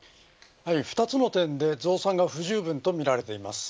２つの点で増産が不十分とみられています。